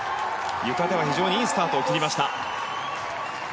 ゆかでは非常にいいスタートを切りました。